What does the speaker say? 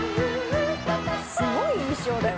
すごい衣装だよ。